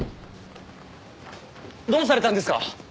どうされたんですか？